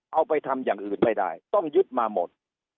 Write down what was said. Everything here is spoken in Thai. เอาไปทำอย่างอื่นไม่ได้ต้องยึดมาหมด